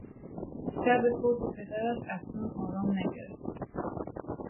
شب فوت پدرش اصلا آرام نگرفت.